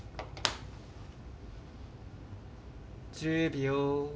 １０秒。